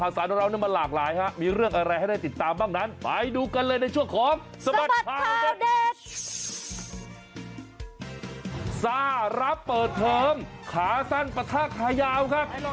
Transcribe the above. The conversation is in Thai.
สารับเปิดเทิมขาสั้นประทักขยาวครับ